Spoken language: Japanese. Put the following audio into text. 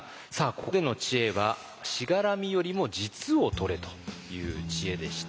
ここでの知恵は「しがらみよりも実をとれ」という知恵でした。